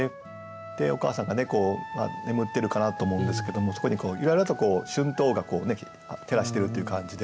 でお母さんがね眠ってるかなと思うんですけどもそこにゆらゆらと春灯が照らしてるという感じで。